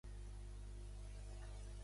Fi de la Reconquesta.